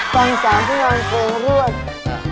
สั่งสามช่วยที่กันเครื่องรวด